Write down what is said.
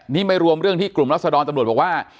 นี่ไม่รวมเรื่องที่กลุ่มรัศดรตำรวจบอกว่า